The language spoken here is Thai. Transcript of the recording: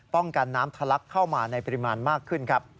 ป้องกันน้ำทะลักเข้ามาในปริมาณมากขึ้น